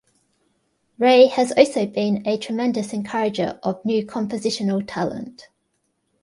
Ray has also been a tremendous encourager of new compositional talent.